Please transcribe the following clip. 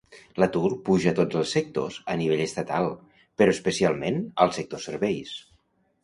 L'atur puja a tots els sectors a nivell estatal però especialment al sector serveis.